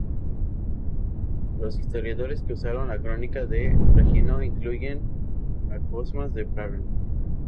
Los historiadores que usaron la crónica de Regino incluyen a Cosmas de Praga.